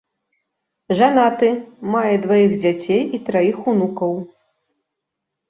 Жанаты, мае дваіх дзяцей і траіх унукаў.